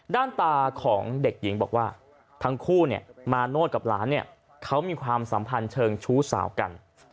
ด้านตาของเด็กหญิงบอกว่าทั้งคู่นายมาโน้ตกับล้านมีความสัมพันธ์เฉิงชูสาวกัน